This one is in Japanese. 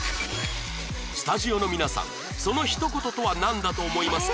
スタジオの皆さんそのひと言とはなんだと思いますか？